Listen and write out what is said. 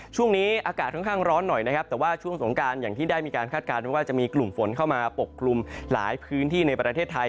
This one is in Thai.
ช่วงนี้อากาศค่อนข้างร้อนหน่อยนะครับแต่ว่าช่วงสงการอย่างที่ได้มีการคาดการณ์ว่าจะมีกลุ่มฝนเข้ามาปกกลุ่มหลายพื้นที่ในประเทศไทย